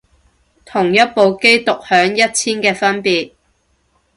同一部機獨享一千嘅分別